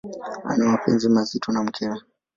Ana mapenzi mazito na mkewe.